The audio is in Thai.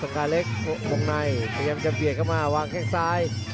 กาเล็กวงในพยายามจะเบียดเข้ามาวางแข้งซ้าย